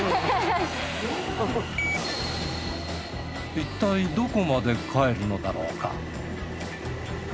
いったいどこまで帰るのだろうか？